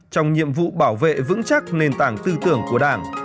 trong nhiệm vụ bảo vệ vững chắc nền tảng tư tưởng của đảng